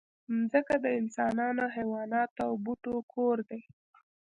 مځکه د انسانانو، حیواناتو او بوټو کور دی.